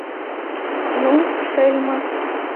— Ну, шельма!